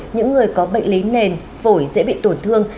những người có bệnh lý nền phổi dễ bị tổn thương